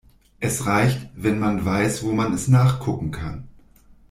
Es reicht, wenn man weiß, wo man es nachgucken kann.